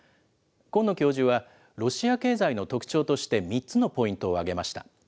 金野教授は、ロシア経済の特徴として、３つのポイントを挙げました。